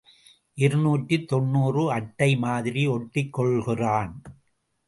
இருநூற்று தொன்னூறு அட்டை மாதிரி ஒட்டிக் கொள்கிறான்.